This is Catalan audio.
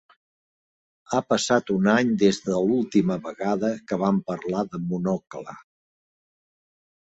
Ha passat un any des de l'última vegada que vam parlar de Monocle.